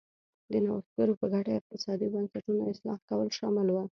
د نوښتګرو په ګټه اقتصادي بنسټونو اصلاح کول شامل و.